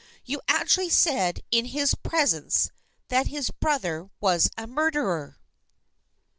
You actually said in his presence that his brother was a murderer."